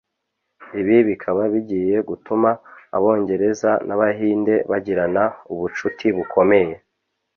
ibi bikaba bigiye gutuma abongereza n’abahinde bagirana ubucuti bukomeye